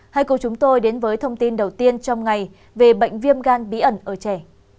hãy cùng chúng tôi đến với thông tin đầu tiên trong ngày về bệnh viêm gan bí ẩn ở trẻ